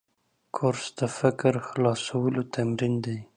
کورس د فکر خلاصولو تمرین دی.